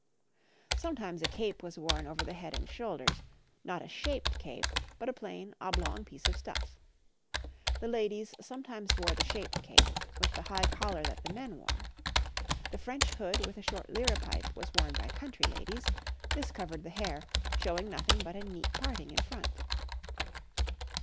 Sometimes a cape was worn over the head and shoulders, not a shaped cape, but a plain, oblong piece of stuff. The ladies sometimes wore the shaped cape, with the high collar that the men wore. The French hood with a short liripipe was worn by country ladies; this covered the hair, showing nothing but a neat parting in front.